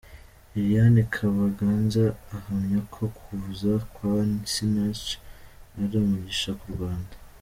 Liliane Kabaganza ahamya ko kuza kwa Sinach ari umugisha ku Rwanda.